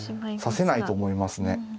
指せないと思いますね。